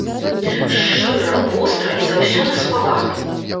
Шчыра, востра і заўсёды з павагай.